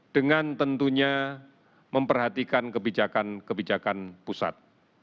dengan tentunya memperhatikan kebijakan kebijakan pusat